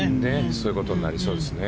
そういうことになりそうですね。